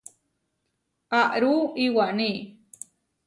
Aarú iwaní.